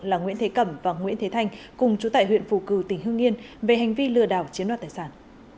là nguyễn thế cẩm và nguyễn thế thanh cùng chủ tại huyện phù cử tỉnh hương yên về hành vi lừa đảo chiếm đoạt tài sản